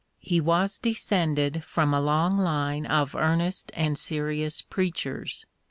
He was de scended from a long line of earnest and serious preachers.